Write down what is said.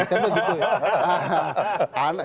kan begitu ya